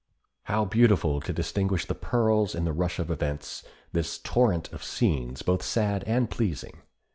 How beautiful to distinguish the pearls in the rush of events—this torrent of scenes both sad and pleasing!